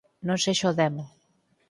Non sexa o demo